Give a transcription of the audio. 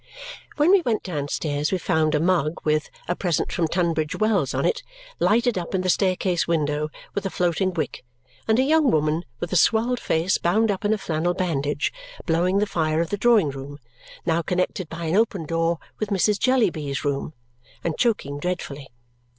When we went downstairs we found a mug with "A Present from Tunbridge Wells" on it lighted up in the staircase window with a floating wick, and a young woman, with a swelled face bound up in a flannel bandage blowing the fire of the drawing room (now connected by an open door with Mrs. Jellyby's room) and choking dreadfully.